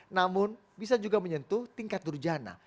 namun bisa juga menyentuh tingkat durjana